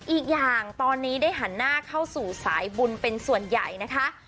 อีกอย่างตอนนี้ได้หันหน้าเข้าสู่สายบุญเป็นส่วนใหญ่นะคะ